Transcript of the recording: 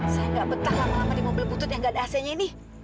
saya nggak betah lama lama di mobil putut yang gak ada ac nya ini